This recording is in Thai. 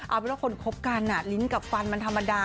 เอาเป็นว่าคนคบกันลิ้นกับฟันมันธรรมดา